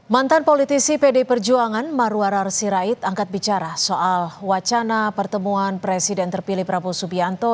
mantan politisi pd perjuangan marwarar sirait angkat bicara soal wacana pertemuan presiden terpilih prabowo subianto